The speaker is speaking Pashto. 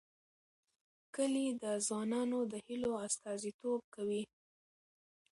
کلي د ځوانانو د هیلو استازیتوب کوي.